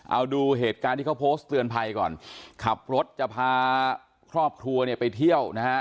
เอาดูเหตุการณ์ที่เขาโพสต์เตือนภัยก่อนขับรถจะพาครอบครัวเนี่ยไปเที่ยวนะฮะ